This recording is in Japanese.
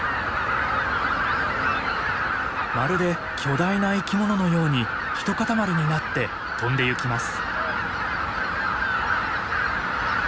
まるで巨大な生き物のように一塊になって飛んでゆきます。